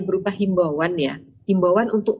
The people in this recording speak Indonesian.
berupa himbauan ya himbauan untuk